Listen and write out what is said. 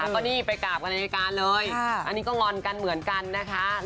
ก็นี่ไปกราบกันในรายการเลยอันนี้ก็งอนกันเหมือนกันนะคะ